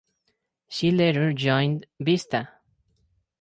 She later joined Vista.